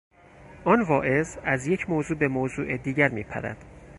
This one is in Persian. آن واعظ از یک موضوع به موضوع دیگر میپرد.